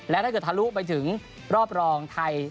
และถ้าเกิดทะลุไปถึงรอบรองไทย